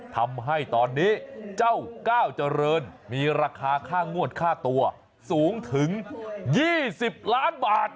ทำให้ตอนนี้เจ้าก้าวเจริญมีราคาค่างวดค่าตัวสูงถึง๒๐ล้านบาท